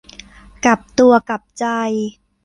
กลับตัวกลับใจ